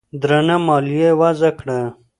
درنه مالیه یې وضعه کړه